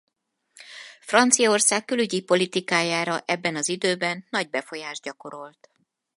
Franciaország külügyi politikájára ebben az időben nagy befolyást gyakorolt.